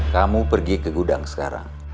kamu pergi ke gudang sekarang